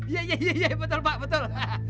iya iya betul pak betul